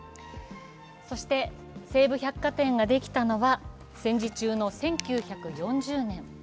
そして、西武百貨店ができたのは戦時中の１９４０年。